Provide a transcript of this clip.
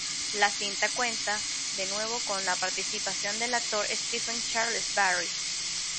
La cinta cuenta de nuevo con la participación del actor Stephen Charles Barry.